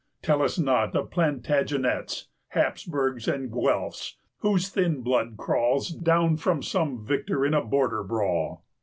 Tell us not of Plantagenets, Hapsburgs, and Guelfs, whose thin bloods crawl Down from some victor in a border brawl!